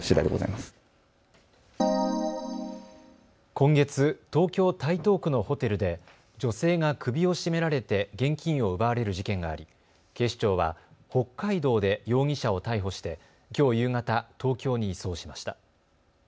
今月、東京台東区のホテルで女性が首を絞められて現金を奪われる事件があり警視庁は北海道で容疑者を逮捕してきょう夕方、東京に移送しました。